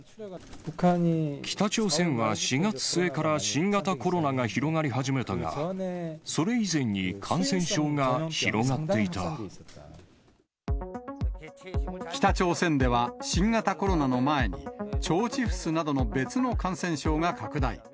北朝鮮は４月末から新型コロナが広がり始めたが、北朝鮮では、新型コロナの前に、腸チフスなどの別の感染症が拡大。